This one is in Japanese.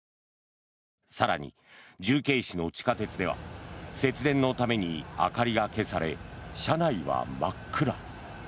更に、重慶市の地下鉄では節電のために明かりが消され車内は真っ暗。